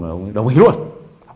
đồng chí đồng ý luôn